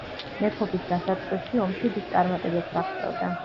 მეფობის დასაწყისში ომში დიდ წარმატებებს აღწევდა.